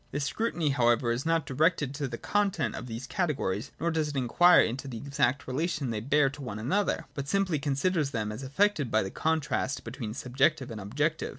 This scrutiny however is not directed to the content of these categories, nor does it inquire into the exact relation they bear to one another : but simply considers them as affected by the contrast between subjective and objec tive.